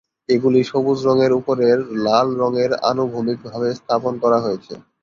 এগুলি সবুজ রঙের উপরের লাল রঙের আনুভূমিক ভাবে স্থাপন করা হয়েছে।